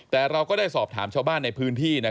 แต่เราก็ได้สอบถามชาวบ้านในพื้นที่